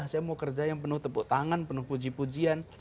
saya mau kerja yang penuh tepuk tangan penuh puji pujian